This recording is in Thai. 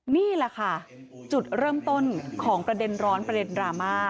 นี่แหละค่ะจุดเริ่มต้นของประเด็นร้อนประเด็นดราม่า